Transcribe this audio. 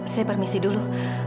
saya permisi dulu